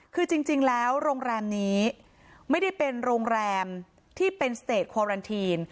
คือจริงแล้วโรงแรมนี้ไม่ได้เป็นโรงแรมที่เป็นสเตจควอรันทีน